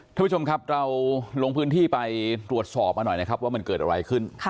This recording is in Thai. ท่านผู้ชมครับเราลงพื้นที่ไปตรวจสอบมาหน่อยนะครับว่ามันเกิดอะไรขึ้น